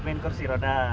pengen kursi roda